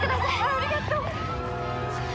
ありがとう。